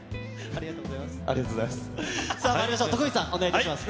ありがとうございます。